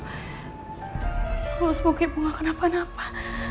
iya allah sepukit bunga kenapa napa